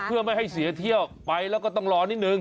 เพื่อไม่ให้เสียเที่ยวไปแล้วก็ต้องรอนิดนึง